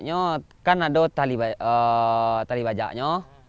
kan ada tali bajaknya